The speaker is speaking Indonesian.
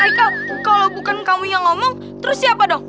ika kalau bukan kamu yang ngomong terus siapa dong